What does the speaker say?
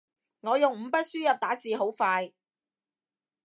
我用五筆輸入打字好快